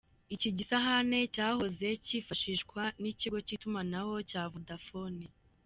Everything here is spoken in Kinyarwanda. Iki gisahane cyahoze cyifashishwa n’ikigo cy’itumanaho cya Vodafone.